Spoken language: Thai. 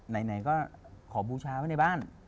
ไหนก็ขอบูชาไว้ในบ้าน